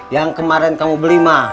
yang kemarin kamu beli mah